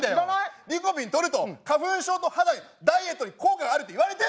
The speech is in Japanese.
リコピンとると花粉症と肌にダイエットに効果があると言われてんだよ！